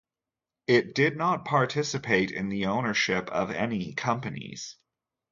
It did not participate in the ownership of any companies.